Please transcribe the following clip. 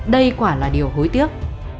đây quả là điều hối tiếc